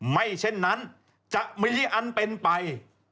ไม่เช่นนั้นจะมีอันเป็นไป